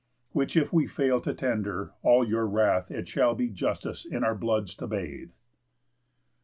Which if we fail to tender, all your wrath It shall be justice in our bloods to bathe."